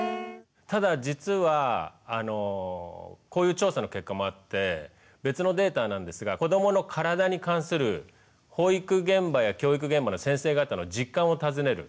ただ実はこういう調査の結果もあって別のデータなんですが子どもの体に関する保育現場や教育現場の先生方の実感を尋ねる